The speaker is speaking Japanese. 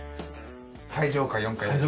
最上階４階です。